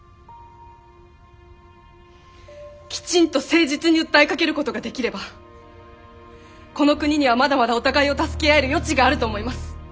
きちんと誠実に訴えかけることができればこの国にはまだまだお互いを助け合える余地があると思います。